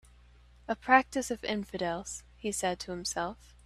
"A practice of infidels," he said to himself.